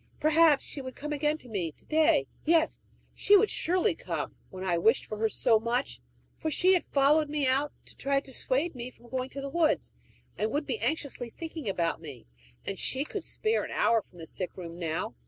Perhaps she would come again to me to day: yes, she would surely come when I wished for her so much; for she had followed me out to try to dissuade me from going to the woods, and would be anxiously thinking about me; and she could spare an hour from the sick room now.